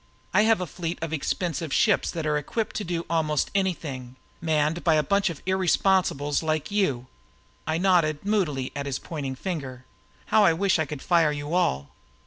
I have a fleet of expensive ships that are equipped to do almost anything manned by a bunch of irresponsibles like you." I nodded moodily at his pointing finger. "How I wish I could fire you all!